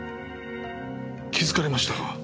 気づかれましたか。